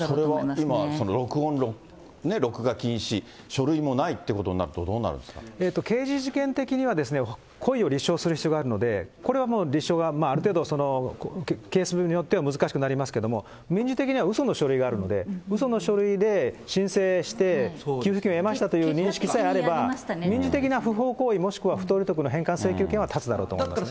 それは今、録音、録画禁止、書類もないってことになると、ど刑事事件的には、故意を立証する必要があるので、これはもう立証はある程度、ケースによっては難しくなりますので、民事的にはうその書類があるので、うその書類で申請して、給付金を得ましたという認識さえあれば、民事的な不法行為、もしくは不当利得の返還請求権は立つだろうと思いますね。